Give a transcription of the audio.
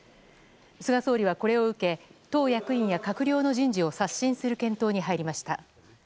菅総理はこれを受け党の役員や閣僚の人事を刷新する検討に入りました。